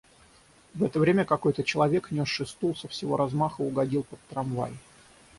В это время какой-то человек, нёсший стул, со всего размаха угодил под трамвай.